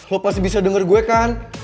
lo pasti bisa dengar gue kan